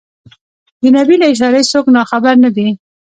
د نبي له اشارې څوک ناخبر نه دي.